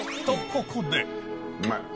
うまい。